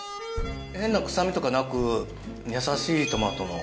変な臭みとかなくやさしいトマトの。